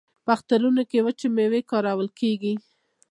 په اخترونو کې وچې میوې کارول کیږي.